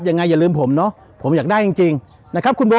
ยังไงอย่าลืมผมเนอะผมอยากได้จริงจริงนะครับคุณโบ